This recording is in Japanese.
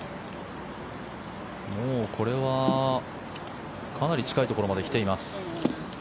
もうこれはかなり近いところまで来ています。